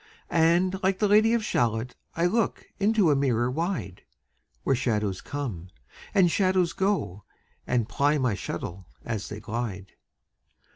And like the Lady of Shalott I look into a mirror wide, Where shadows come, and shadows go, And ply my shuttle as they glide.